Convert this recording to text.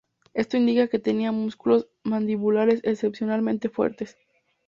Esto indica que tenía músculos mandibulares excepcionalmente fuertes.